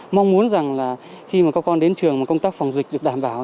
mong muốn khi các con đến trường công tác phòng dịch được đảm bảo